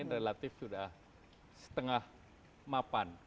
yang lain relatif sudah setengah mapan